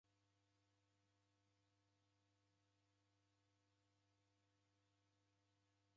Kwaki kujagha vindo kuseoghoshere vala?